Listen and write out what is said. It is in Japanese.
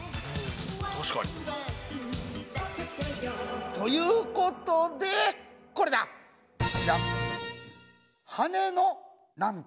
確かに。ということでこれだ！じゃん！